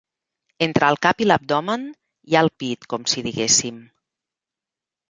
Entre el cap i l'abdomen hi ha el pit, com si diguéssim.